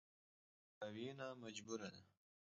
له دې زاويې نه مجبوره ده.